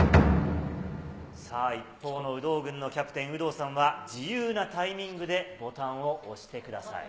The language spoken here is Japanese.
一方の有働軍のキャプテン、有働さんは、自由なタイミングでボタンを押してください。